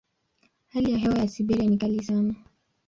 Hali ya hewa ya Siberia ni kali sana.